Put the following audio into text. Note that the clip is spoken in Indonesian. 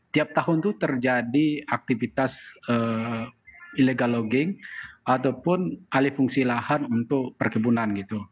tiap tahun itu terjadi aktivitas illegal logging ataupun alih fungsi lahan untuk perkebunan gitu